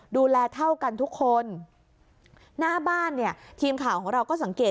เท่ากันทุกคนหน้าบ้านเนี่ยทีมข่าวของเราก็สังเกต